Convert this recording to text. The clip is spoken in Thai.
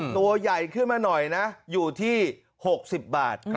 ตัวใหญ่ขึ้นมาหน่อยนะอยู่ที่๖๐บาท